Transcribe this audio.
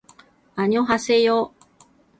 あにょはせよ